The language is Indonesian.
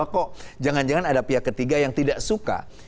kok jangan jangan ada pihak ketiga yang tidak suka